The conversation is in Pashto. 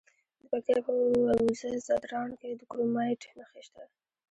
د پکتیا په وزه ځدراڼ کې د کرومایټ نښې شته.